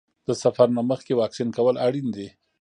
د سفر نه مخکې واکسین کول اړین دي.